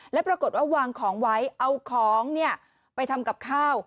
แล้วปรากฏว่าวางของไว้เอาของไปทำกับข้าว